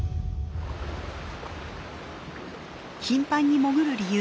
頻繁に潜る理由